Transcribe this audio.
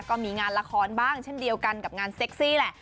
ก็มีงานละครบ้างเช่นเดียวกันกับงานเซ็กซี่แหละ